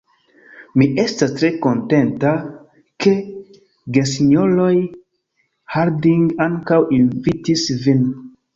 Mi estas tre kontenta, ke gesinjoroj Harding ankaŭ invitis vin.